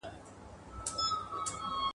جاهلان مني خدایي د بندگانو ..